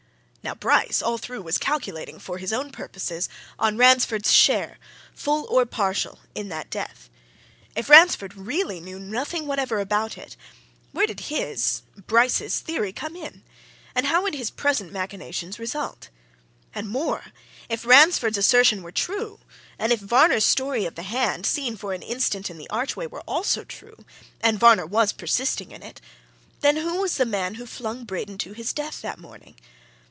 Now Bryce, all through, was calculating, for his own purposes, on Ransford's share, full or partial, in that death if Ransford really knew nothing whatever about it, where did his, Bryce's theory, come in and how would his present machinations result? And, more if Ransford's assertion were true, and if Varner's story of the hand, seen for an instant in the archway, were also true and Varner was persisting in it then, who was the man who flung Braden to his death that morning?